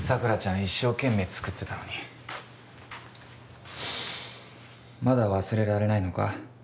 一生懸命作ってたのにまだ忘れられないのか？